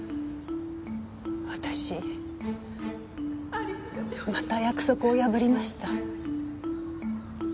私また約束を破りました。